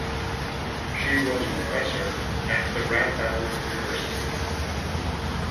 She was professor at the Radboud University.